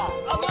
あ！